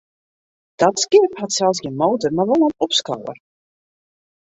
Dat skip hat sels gjin motor, mar wol in opskower.